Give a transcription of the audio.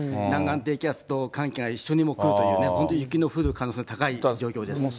南岸低気圧と寒気が一緒にもう来るという、本当に雪の降る可能性が高い状況です。